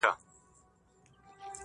مور بې حاله ده او خبري نه سي کولای-